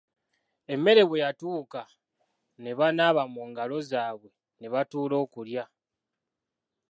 Emmere bwe yatuuka ne banaaba mungalo zaabwe ne batuula okulya.